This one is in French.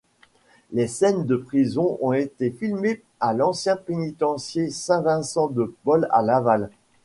Les scènes de prison ont été filmées à l'ancien pénitencier Saint-Vincent-de-Paul à Laval.